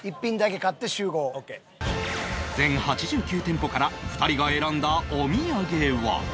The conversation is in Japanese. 全８９店舗から２人が選んだお土産は？